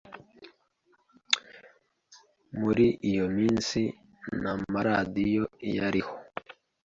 Muri iyo minsi, nta maradiyo yariho.